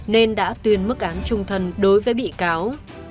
nên đã tuyên mức án trung thân đối với bị cáo